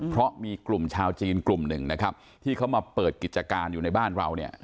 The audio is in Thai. เพราะมีกลุ่มชาวจีนกลุ่มหนึ่งนะครับที่เขามาเปิดกิจการอยู่ในบ้านเราเนี่ย